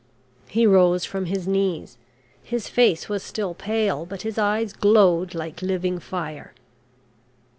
He rose from his knees, his face was still pale, but his eyes glowed like living fire.